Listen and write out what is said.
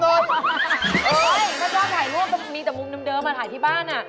เฮ่ยถ้าชอบถ่ายรูปก็มีจะมุ่งเดิมมาถ่ายที่บ้านน่ะ